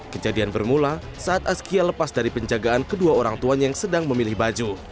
kejadian bermula saat askia lepas dari penjagaan kedua orang tuanya yang sedang memilih baju